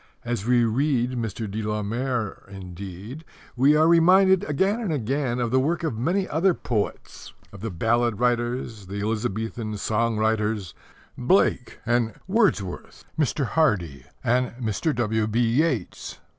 As we read Mr. de la Mare, indeed, we are reminded again and again of the work of many other poets of the ballad writers, the Elizabethan song writers, Blake and Wordsworth, Mr. Hardy and Mr. W.B. Yeats.